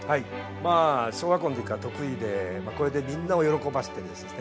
まあ小学校の時から得意でこれでみんなを喜ばしてですね